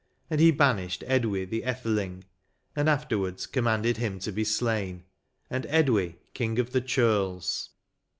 And he banished Edwy the Etheling, and afterwards commanded him to be slain, and Edwy, King of the Churls."